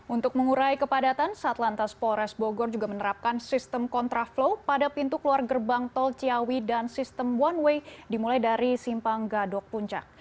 untuk mengurai kepadatan satlantas polres bogor juga menerapkan sistem kontraflow pada pintu keluar gerbang tol ciawi dan sistem one way dimulai dari simpang gadok puncak